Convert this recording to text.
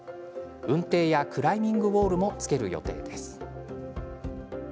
うんていやクライミングウォールも付ける予定です。